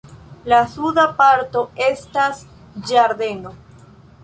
La suda parto estas ĝardeno.